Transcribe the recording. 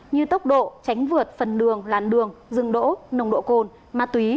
như tốc độ tránh vượt phần đường làn đường dừng đỗ nồng độ cồn ma túy